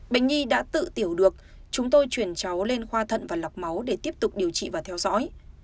bệnh nhi đã tự tiểu được chúng tôi chuyển cháu lên khoa thận và lọc máu để tiếp tục điều trị và theo dõi